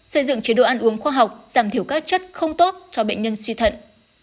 xây dựng chế độ ăn uống khoa học giảm thiểu các chất không tốt cho bệnh nhân suy thận